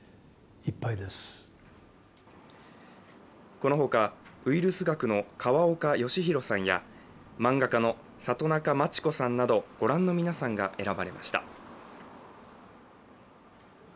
このほか、ウイルス学の河岡義裕さんや漫画家の里中満智子さんなどご覧の皆さんが選ばれました。